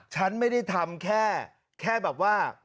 ฉันไม่ได้ทำแค่แบบว่า